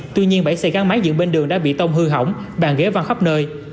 tuy nhiên bảy xe gắn máy dựng bên đường đã bị tông hư hỏng bàn ghế văng khắp nơi